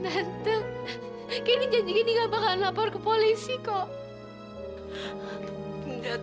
kak itu orang yang turun rumah kita kemarin kak